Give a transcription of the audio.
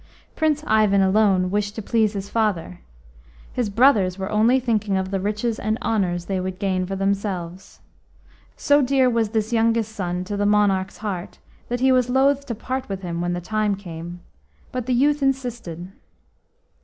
Prince Ivan alone wished to please his father; his brothers were only thinking of the riches and honours they would gain for themselves. So dear was this youngest son to the monarch's heart that he was loath to part with him when the time came, but the youth insisted.